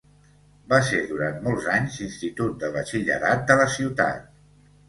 Va ser durant molts anys institut de batxillerat de la ciutat.